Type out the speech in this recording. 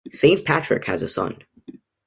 Saint Patrick has a son.